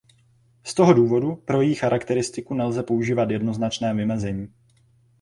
Z toho důvodu pro její charakteristiku nelze používat jednoznačné vymezení.